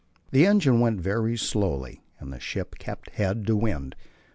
The engine went very slowly, and the ship kept head to wind.